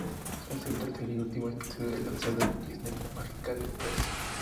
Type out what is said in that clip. Es el tercer y último episodio de la saga Disney's Magical Quest.